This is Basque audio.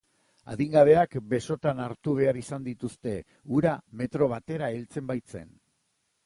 Adingabeak besotan hartu behar izan dituzte, ura metro batera heltzen baitzen.